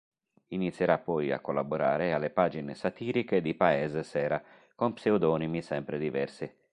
Inizierà poi a collaborare alle pagine satiriche di "Paese Sera" con pseudonimi sempre diversi.